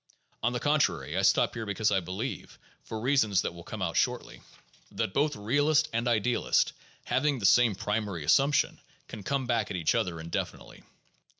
'' On the contrary I stop here because I believe (for reasons that will come out shortly) that PSYCHOLOGY AND SCIENTIFIC METHODS 549 both realist and idealist, having the same primary assumption, can come back at each other indefinitely.